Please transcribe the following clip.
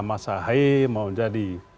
mas ahi mau jadi